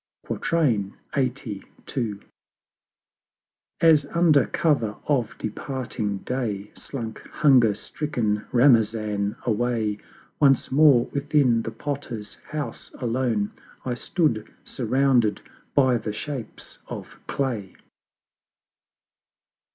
LXXXII. As under cover of departing Day Slunk hunger stricken Ramazan away, Once more within the Potter's house alone I stood, surrounded by the Shapes of Clay.